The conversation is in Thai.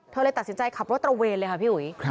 เลยตัดสินใจขับรถตระเวนเลยค่ะพี่อุ๋ย